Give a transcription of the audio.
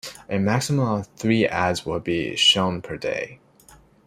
A maximum of three ads would be shown per day.